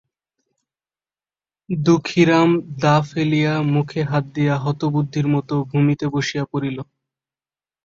দুখিরাম দা ফেলিয়া মুখে হাত দিয়া হতবুদ্ধির মতো ভূমিতে বসিয়া পড়িল।